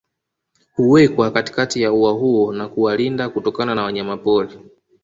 Huwekwa katikati ya ua huo na kuwalinda kutokana na wanyamapori